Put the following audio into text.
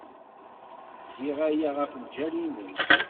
Giɣ aya ɣef lǧal-nnem.